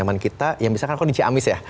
penyaman kita yang bisa kan aku di ciamis ya